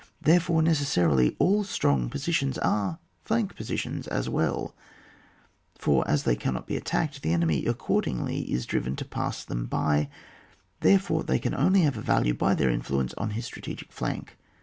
Therefore, necessarily, all strong positions are flank positions as well ; for as they cannot be attacked, the enemy accordingly is driven to pass them by, tiierefore they can only have a value by their influence on his strategic flank.